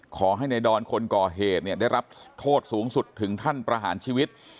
ขอให้นายดอนคนก่อเหตุได้รับโทษสูงสุดถึงท่านประหารชีวิต